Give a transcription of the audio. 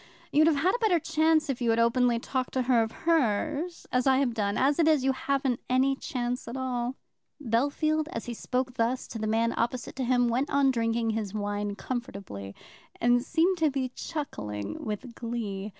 You'd have had a better chance if you had openly talked to her of hers, as I have done. As it is, you haven't any chance at all." Bellfield, as he thus spoke to the man opposite to him, went on drinking his wine comfortably, and seemed to be chuckling with glee.